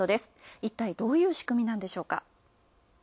一体、どういう仕組みなんでしょうか？